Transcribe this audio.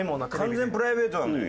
完全プライベートなのよ